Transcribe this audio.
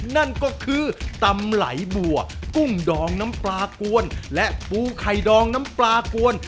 นั่นก็คือตำไหลบัวกุ้งดองน้ำปลากวนและปูไข่ดองน้ำปลากวน